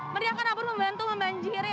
meriakan abu abu membantu membanjiri